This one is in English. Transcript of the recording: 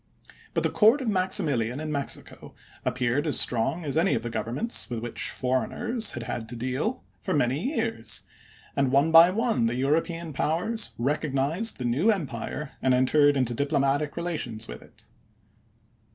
But the court of Maximilian in Mexico appeared as strong as any of the govern ments with which foreigners had had to deal for 420 ABRAHAM LINCOLN chap. xiv. many years, and one by one the European powers recognized the new empire and entered into diplo matic relations with it.